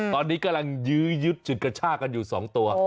ตอนนี้กำลังยื้อยึดจุดกระชากันอยู่๒ตัว